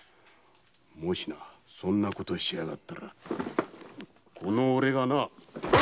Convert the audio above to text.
もしもそんなことしやがったらこの俺がな。